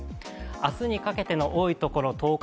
明日にかけての多いところ、東海